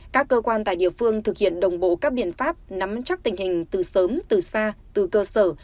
các cơ quan tại địa phương thực hiện đồng bộ các biện pháp nắm chắc tình hình từ sớm từ xa từ cơ sở